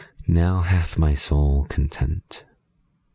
Now hath my soul content.